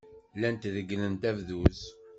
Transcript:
Llant regglent abduz.